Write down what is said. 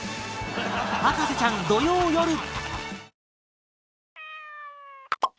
『博士ちゃん』土曜よる